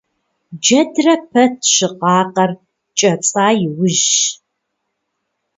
Джэдрэ пэт щыкъакъэр кӀэцӀа иужьщ.